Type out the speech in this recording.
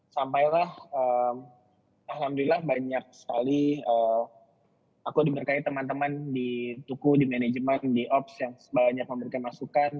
sampailah alhamdulillah banyak sekali aku diberkahi teman teman di tuku di manajemen di ops yang banyak memberikan masukan